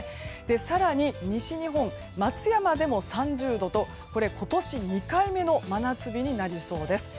更に、西日本松山でも３０度と今年２回目の真夏日になりそうです。